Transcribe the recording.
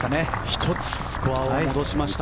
１つスコアを戻しました